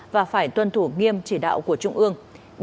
và phải tuân thủ nghiêm chỉ đạo của trung ương